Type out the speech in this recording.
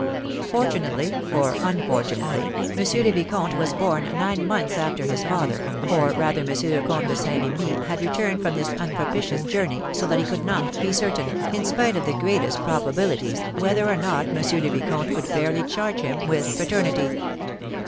Fortunately, or unfortunately, M. le Vicomte was born nine months after his father, or rather M. le Comte de Saint Remy, had returned from this unpropitious journey, so that he could not be certain, in spite of the greatest probabilities, whether or not M. le Vicomte could fairly charge him with paternity.